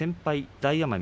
大奄美